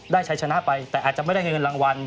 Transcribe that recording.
ใช้ชนะไปแต่อาจจะไม่ได้เงินรางวัล